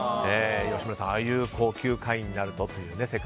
吉村さんああいう高級会員になるとね。